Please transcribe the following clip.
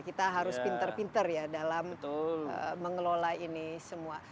kita harus pinter pinter ya dalam mengelola ini semua